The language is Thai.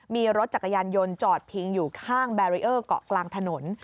มีรถจักรยานยนต์จอดพิงอยู่ข้างแบรีเออร์เกาะกลางถนน